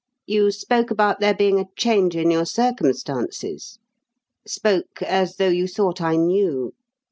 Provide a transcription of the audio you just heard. You spoke about there being a change in your circumstances spoke as though you thought I knew.